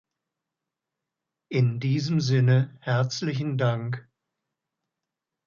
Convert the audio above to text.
In diesem Sinne herzlichen Dank.